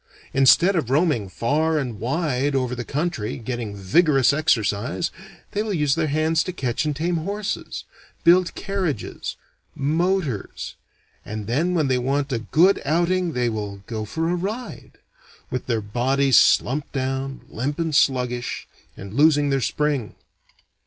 Instead of roaming far and wide over the country, getting vigorous exercise, they will use their hands to catch and tame horses, build carriages, motors, and then when they want a good outing they will "go for a ride," with their bodies slumped down, limp and sluggish, and losing their spring.